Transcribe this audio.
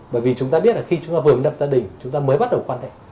bởi vì chúng ta biết là khi chúng ta vừa nhập gia đình chúng ta mới bắt đầu quan hệ